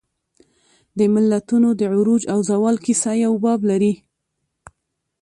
د ملتونو د عروج او زوال کیسه یو باب لري.